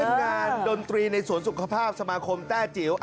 เป็นงานดนตรีในสวนสุขภาพสมาคมแต้จิ๋ว